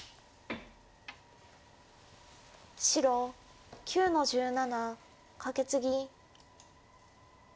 白９の十七カケツギ。